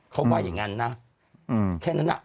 เขาว่าอย่างนั้นนะแค่นั้นน่ะ